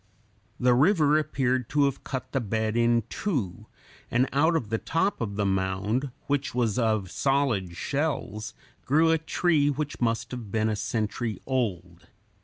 The river appeared to have cut the bed in two, and out of the top of the mound, which was of solid shells, grew a tree which must have been a century old.